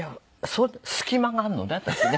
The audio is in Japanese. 隙間があるのね私ね。